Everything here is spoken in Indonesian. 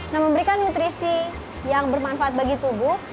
nah memberikan nutrisi yang bermanfaat bagi tubuh